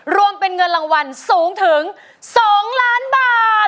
รวมเป็นเงินรางวัลสูงถึง๒ล้านบาท